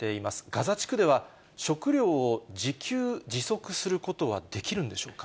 ガザ地区では食料を自給自足することはできるんでしょうか。